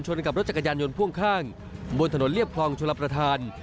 กับรถจักรยานยนต์พ่วงข้างบนถนนเรียบคลองชลประธาน